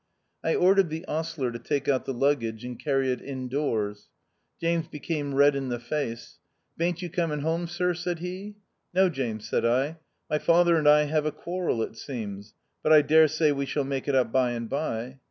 I ordered the ostler to take out the luggage and carry it in doors. James became red in the face. " Baint you com ing home, sir?" said he. "No, James," said I ;" my father and I have a quarrel it seems ; but I daresay we shall make it up by and by."